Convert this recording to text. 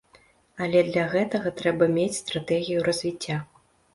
Але для гэтага трэба мець стратэгію развіцця.